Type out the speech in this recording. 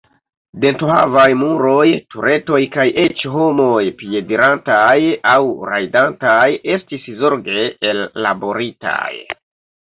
Dentohavaj muroj, turetoj kaj eĉ homoj piedirantaj aŭ rajdantaj estis zorge ellaboritaj.